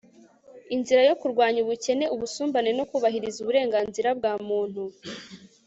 inzira yo kurwanya ubukene, ubusumbane no kubahiriza uburenganzira bwa muntu